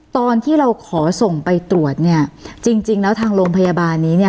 ตอนที่เราขอส่งไปตรวจเนี่ย